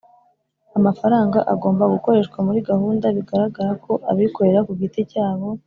amafaranga agomba gukoreshwa muri gahunda bigaragara ko abikorera ku giti cyabo,